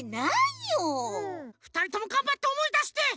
ふたりともがんばっておもいだして！